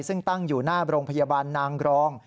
ซึ่งตั้งอยู่หน้าโรงพยาบาลนางรอง